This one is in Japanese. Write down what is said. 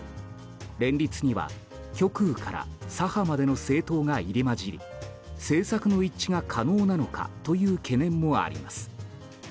連立には、極右から左派までの政党が入り交じり政策の一致が可能なのかという懸念もあります。